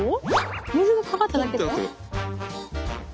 水がかかっただけで？